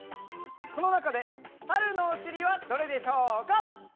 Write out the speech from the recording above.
このなかでサルのおしりはどれでしょうか？